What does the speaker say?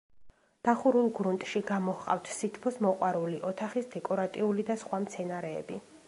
დახურულ გრუნტში გამოჰყავთ სითბოს მოყვარული, ოთახის, დეკორატიული და სხვა მცენარეები.